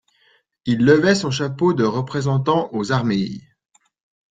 Il levait son chapeau de Représentant aux armées.